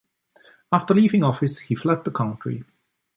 After leaving office he fled the country.